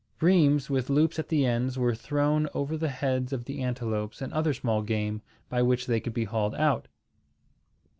Rheims with loops at the ends were thrown over the heads of the antelopes and other small game, by which they could be hauled out.